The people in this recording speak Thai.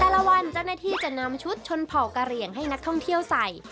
ละวันเจ้าหน้าที่จะนำชุดชนเผ่ากะเหลี่ยงให้นักท่องเที่ยวใส่